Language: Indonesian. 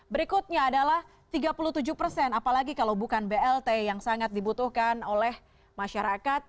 berikutnya adalah tiga puluh tujuh persen apalagi kalau bukan blt yang sangat dibutuhkan oleh masyarakat